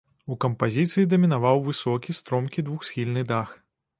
У кампазіцыі дамінаваў высокі стромкі двухсхільны дах.